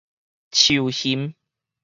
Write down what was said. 樹熊